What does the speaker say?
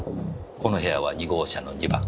この部屋は２号車の２番。